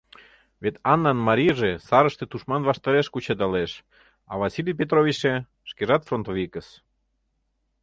Вет Аннан марийже сарыште тушман ваштареш кучедалеш, а Василий Петровичше — шкежат фронтовикыс.